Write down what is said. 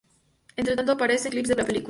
Entre tanto, aparecen clips de la película.